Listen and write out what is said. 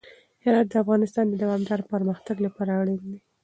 هرات د افغانستان د دوامداره پرمختګ لپاره اړین دی.